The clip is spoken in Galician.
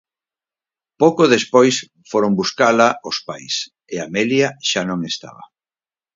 Pouco despois foron buscala os pais, e Amelia xa non estaba.